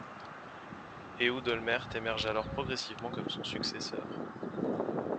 Ehud Olmert émerge alors progressivement comme son successeur.